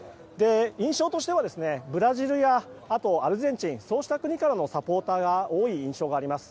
印象としてはブラジルやアルゼンチンそうした国からのサポーターが多い印象があります。